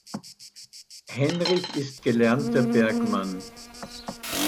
Henrich ist gelernter Bergmann.